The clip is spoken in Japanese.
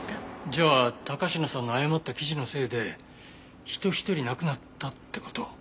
じゃあ高階さんの誤った記事のせいで人ひとり亡くなったって事？